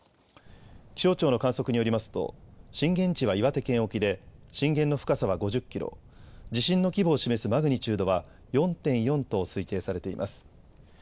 気象庁の観測によりますと、震源地は岩手県沖で、震源の深さは５０キロ、地震の規模を示すマグニチュードは４．４と推定されています。